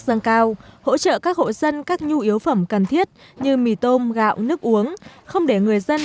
dâng cao hỗ trợ các hộ dân các nhu yếu phẩm cần thiết như mì tôm gạo nước uống không để người dân